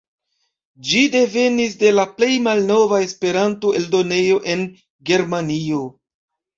Ĝi devenis de la plej malnova Esperanto-eldonejo en Germanio.